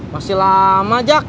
masih lama jak